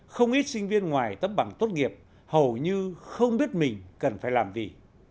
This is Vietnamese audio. không ít sinh viên ngoài tấm bằng tốt nghiệp hầu như không biết mình cần phải làm gì